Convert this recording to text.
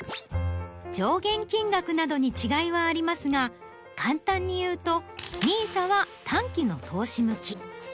上限金額などに違いはありますが簡単にいうとＮＩＳＡは短期の投資向き。